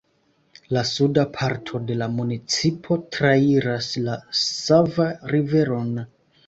La suda parto de la municipo trairas la Sava Riveron.